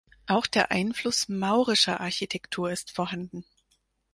Auch der Einfluss maurischer Architektur ist vorhanden.